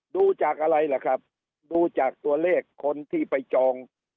ดูจากอะไรล่ะครับดูจากตัวเลขคนที่ไปจอง